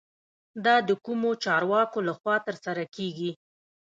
دا د کومو چارواکو له خوا ترسره کیږي؟